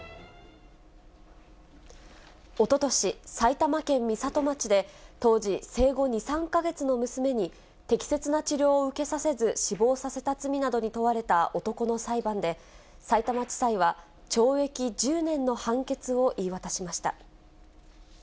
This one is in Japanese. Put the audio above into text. おととし、埼玉県美里町で当時、生後２、３か月の娘に、適切な治療を受けさせず、死亡させた罪などに問われた男の裁判で、さいたま地裁は懲役１０年の判決を言い渡しました。